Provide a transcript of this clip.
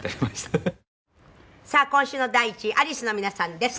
黒柳：さあ、今週の第１位アリスの皆さんです。